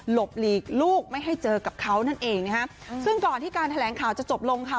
บหลีกลูกไม่ให้เจอกับเขานั่นเองนะฮะซึ่งก่อนที่การแถลงข่าวจะจบลงค่ะ